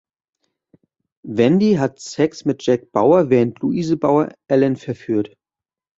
Wendy hat Sex mit Jack Bauer während Louise Bauer Alan verführt.